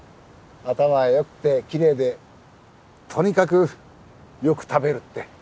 頭が良くて奇麗でとにかくよく食べるって。